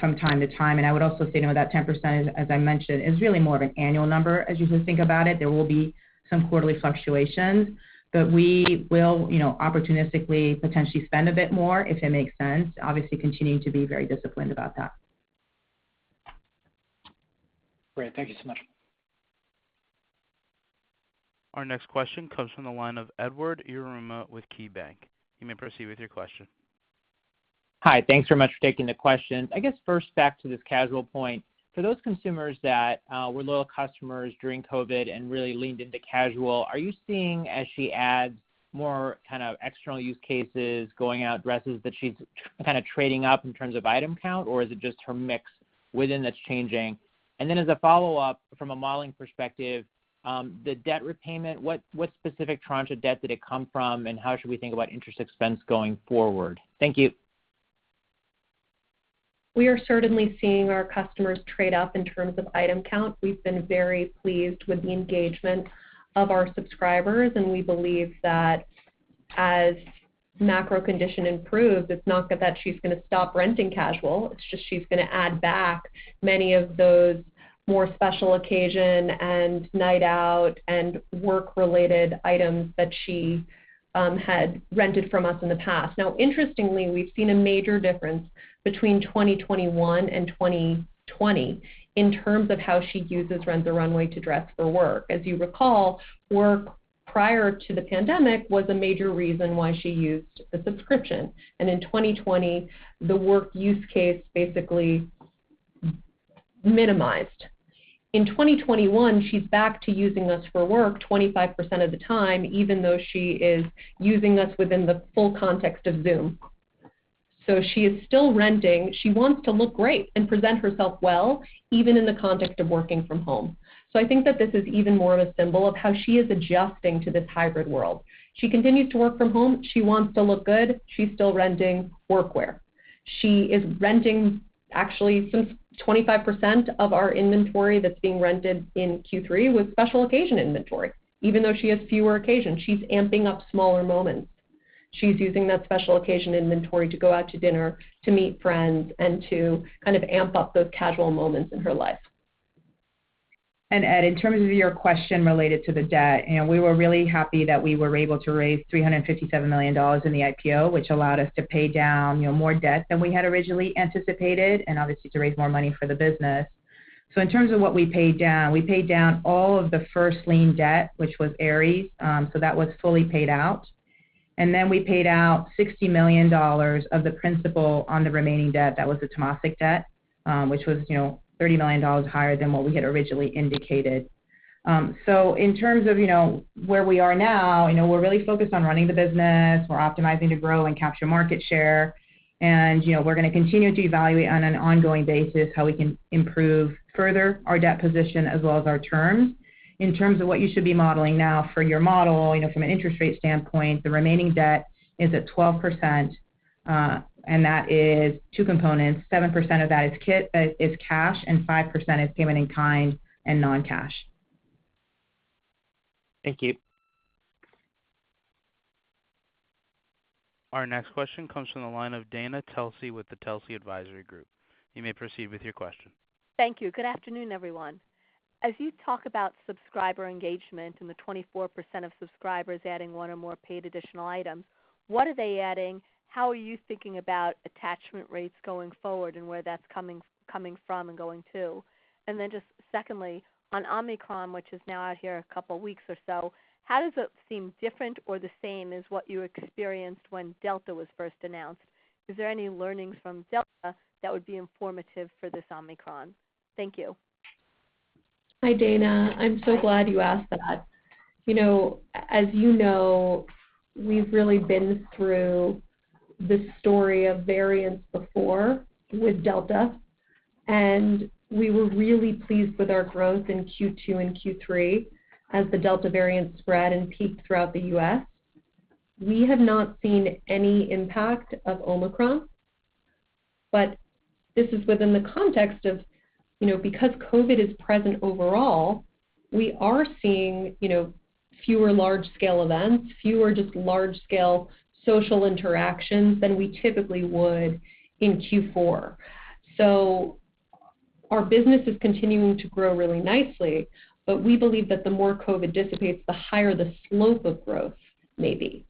from time to time. I would also say, you know, that 10%, as I mentioned, is really more of an annual number as you think about it. There will be some quarterly fluctuations, but we will, you know, opportunistically potentially spend a bit more, if it makes sense, obviously continuing to be very disciplined about that. Great. Thank you so much. Our next question comes from the line of Edward Yruma with KeyBanc. You may proceed with your question. Hi. Thanks very much for taking the questions. I guess, first back to this casual point. For those consumers that were loyal customers during COVID and really leaned into casual, are you seeing as she adds more kind of external use cases, going out dresses, that she's kind of trading up in terms of item count, or is it just her mix within that's changing? As a follow-up, from a modeling perspective, the debt repayment, what specific tranche of debt did it come from, and how should we think about interest expense going forward? Thank you. We are certainly seeing our customers trade up in terms of item count. We've been very pleased with the engagement of our subscribers, and we believe that as macro condition improves, it's not that she's gonna stop renting casual, it's just she's gonna add back many of those more special occasion and night out and work-related items that she had rented from us in the past. Now interestingly, we've seen a major difference between 2021 and 2020 in terms of how she uses Rent the Runway to dress for work. As you recall, work prior to the pandemic was a major reason why she used the subscription, and in 2020, the work use case basically minimized. In 2021, she's back to using us for work 25% of the time, even though she is using us within the full context of Zoom. She is still renting. She wants to look great and present herself well, even in the context of working from home. I think that this is even more of a symbol of how she is adjusting to this hybrid world. She continues to work from home. She wants to look good. She's still renting work wear. She is renting. Actually, some 25% of our inventory that's being rented in Q3 was special occasion inventory. Even though she has fewer occasions, she's amping up smaller moments. She's using that special occasion inventory to go out to dinner, to meet friends, and to kind of amp up those casual moments in her life. Ed, in terms of your question related to the debt, you know, we were really happy that we were able to raise $357 million in the IPO, which allowed us to pay down, you know, more debt than we had originally anticipated, and obviously to raise more money for the business. In terms of what we paid down, we paid down all of the first lien debt, which was Ares. That was fully paid out. Then we paid out $60 million of the principal on the remaining debt, that was the Temasek debt, which was, you know, $30 million higher than what we had originally indicated. In terms of, you know, where we are now, you know, we're really focused on running the business. We're optimizing to grow and capture market share. You know, we're gonna continue to evaluate on an ongoing basis how we can improve further our debt position as well as our terms. In terms of what you should be modeling now for your model, you know, from an interest rate standpoint, the remaining debt is at 12%, and that is two components. Seven percent of that is cash, and five percent is payment in kind and non-cash. Thank you. Our next question comes from the line of Dana Telsey with the Telsey Advisory Group. You may proceed with your question. Thank you. Good afternoon, everyone. As you talk about subscriber engagement and the 24% of subscribers adding one or more paid additional items, what are they adding? How are you thinking about attachment rates going forward and where th at's coming from and going to? Just secondly, on Omicron, which is now out here a couple weeks or so, how does it seem different or the same as what you experienced when Delta was first announced? Is there any learnings from Delta that would be informative for this Omicron? Thank you. Hi, Dana. I'm so glad you asked that. As you know, we've really been through this story of variants before with Delta, and we were really pleased with our growth in Q2 and Q3 as the Delta variant spread and peaked throughout the U.S. We have not seen any impact of Omicron, but this is within the context of, you know, because COVID is present overall, we are seeing, you know, fewer large-scale events, fewer just large-scale social interactions than we typically would in Q4. Our business is continuing to grow really nicely, but we believe that the more COVID dissipates, the higher the slope of growth may be.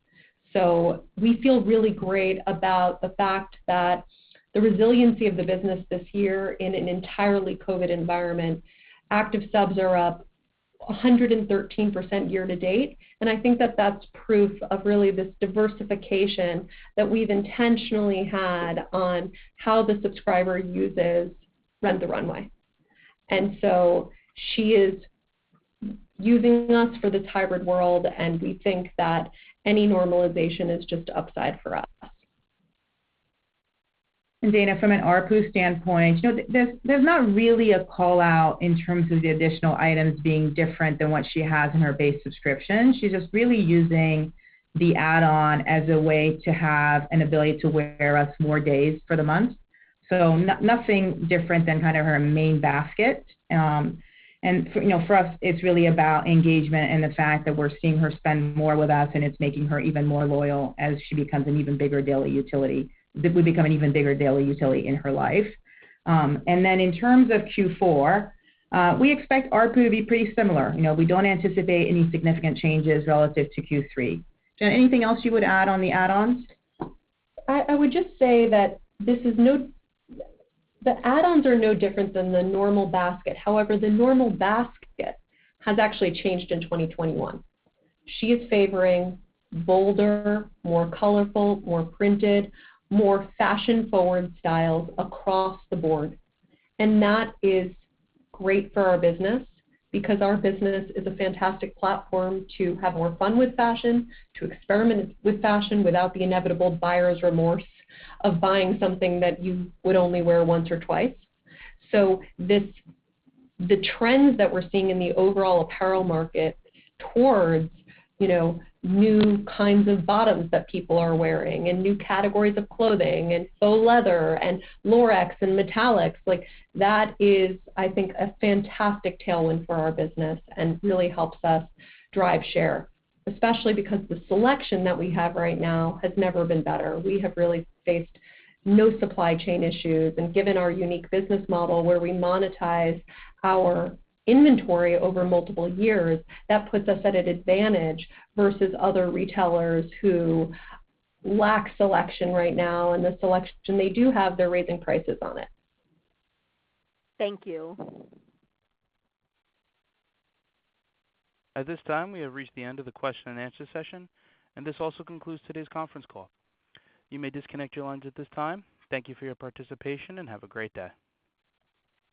We feel really great about the fact that the resiliency of the business this year in an entirely COVID environment. Active subs are up 113% year to date, and I think that that's proof of really this diversification that we've intentionally had on how the subscriber uses Rent the Runway. She is using us for this hybrid world, and we think that any normalization is just upside for us. Dana, from an ARPU standpoint, you know, there's not really a call-out in terms of the additional items being different than what she has in her base subscription. She's just really using the add-on as a way to have an ability to wear us more days for the month. Nothing different than kind of her main basket. For us, it's really about engagement and the fact that we're seeing her spend more with us, and it's making her even more loyal as she becomes an even bigger daily utility. We become an even bigger daily utility in her life. In terms of Q4, we expect ARPU to be pretty similar. You know, we don't anticipate any significant changes relative to Q3. Jen, anything else you would add on the add-ons? I would just say that the add-ons are no different than the normal basket. However, the normal basket has actually changed in 2021. She is favoring bolder, more colorful, more printed, more fashion-forward styles across the board. That is great for our business, because our business is a fantastic platform to have more fun with fashion, to experiment with fashion without the inevitable buyer's remorse of buying something that you would only wear once or twice. This, the trends that we're seeing in the overall apparel market towards, you know, new kinds of bottoms that people are wearing and new categories of clothing and faux leather and Lurex and metallics, like, that is, I think, a fantastic tailwind for our business and really helps us drive share, especially because the selection that we have right now has never been better. We have really faced no supply chain issues. Given our unique business model, where we monetize our inventory over multiple years, that puts us at an advantage versus other retailers who lack selection right now. The selection they do have, they're raising prices on it. Thank you. At this time, we have reached the end of the question and answer session, and this also concludes today's conference call. You may disconnect your lines at this time. Thank you for your participation, and have a great day.